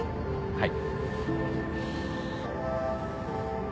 はい。